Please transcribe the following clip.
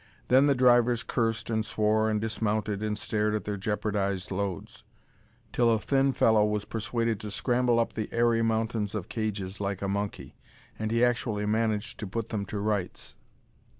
Then the drivers cursed and swore and dismounted and stared at their jeopardised loads: till a thin fellow was persuaded to scramble up the airy mountains of cages, like a monkey. And he actually managed to put them to rights.